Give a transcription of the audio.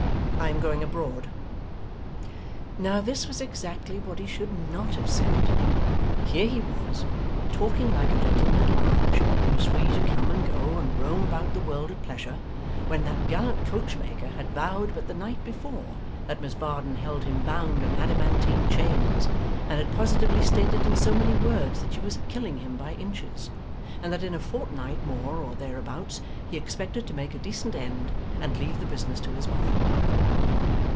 I am going abroad.' Now this was exactly what he should not have said. Here he was, talking like a gentleman at large who was free to come and go and roam about the world at pleasure, when that gallant coachmaker had vowed but the night before that Miss Varden held him bound in adamantine chains; and had positively stated in so many words that she was killing him by inches, and that in a fortnight more or thereabouts he expected to make a decent end and leave the business to his mother.